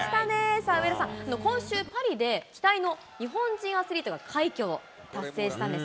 さあ、上田さん、今週、パリで期待の日本人アスリートが快挙を達成したんです。